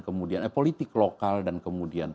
kemudian politik lokal dan kemudian